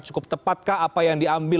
cukup tepatkah apa yang diambil